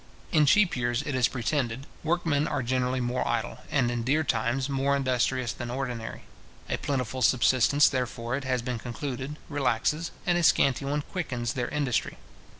In cheap years it is pretended, workmen are generally more idle, and in dear times more industrious than ordinary. A plentiful subsistence, therefore, it has been concluded, relaxes, and a scanty one quickens their industry.